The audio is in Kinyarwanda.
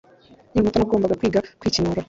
Nkiri muto, nagombaga kwiga kwikenura.